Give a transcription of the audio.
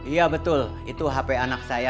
iya betul itu hp anak saya